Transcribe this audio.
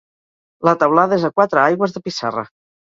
La teulada és a quatre aigües de pissarra.